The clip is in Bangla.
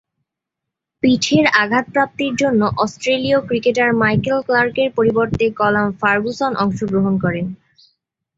পিঠের আঘাতপ্রাপ্তির জন্য অস্ট্রেলীয় ক্রিকেটার মাইকেল ক্লার্কের পরিবর্তে কলাম ফার্গুসন অংশগ্রহণ করেন।